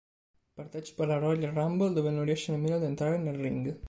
Partecipa alla Royal Rumble dove non riesce nemmeno ad entrare nel ring.